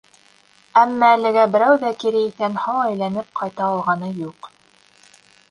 Әммә әлегә берәү ҙә кире иҫән-һау әйләнеп ҡайта алғаны юҡ.